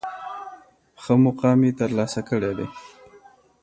ښه مقام یې تر لاسه کړی دی.